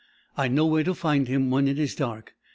I know where to find him when it is dark.